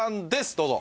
どうぞ。